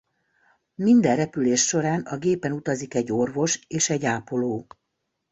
Minden repülés során a gépen utazik egy orvos és egy ápoló.